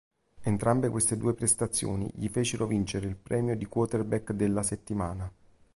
Entrambe queste due prestazioni gli fecero vincere il premio di quarterback della settimana.